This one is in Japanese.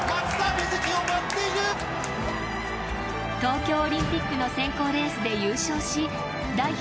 東京オリンピックの選考レースで優勝し代表